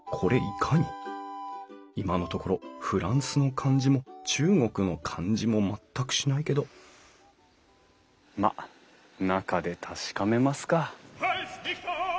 今のところフランスの感じも中国の感じも全くしないけどまっ中で確かめますか。